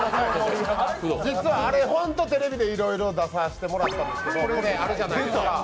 実は、ホントテレビでいろいろ出させてもらったのがあるじゃないですか。